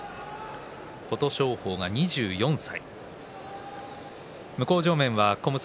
琴勝峰は２４歳。